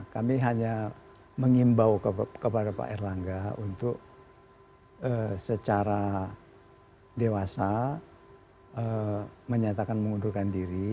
kami hanya mengimbau kepada pak erlangga untuk secara dewasa menyatakan mengundurkan diri